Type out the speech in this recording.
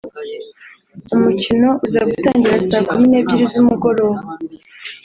umukino uza gutangira Saa kumi n’ebyiri z’umugoroba